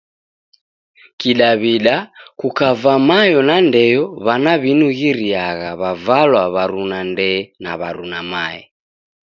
Kidaw'ida, kukava mayo na ndeyo w'ana w'inughiriagha w'avalwa w'aruna ndee na w'aruna mae.